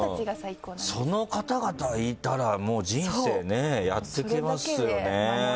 その方々いたら人生ねやっていけますよね。